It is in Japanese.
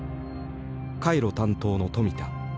回路担当の富田。